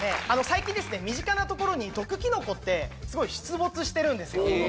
最近ですね身近なところに毒きのこってすごい出没してるんですよ